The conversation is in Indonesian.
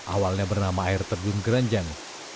awalnya bernama air terjun geranjang